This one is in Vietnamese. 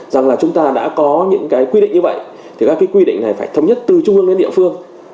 rằng là chúng ta đã có những cái quy định như vậy thì các cái quy định này phải thống nhất từ trung ương đến địa phương